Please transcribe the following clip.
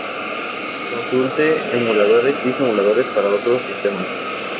Consulte Emuladores y Simuladores para otros sistemas.